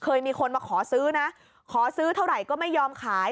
เคยมีคนมาขอซื้อนะขอซื้อเท่าไหร่ก็ไม่ยอมขาย